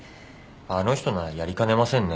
あの人ならやりかねませんね